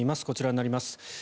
こちらになります。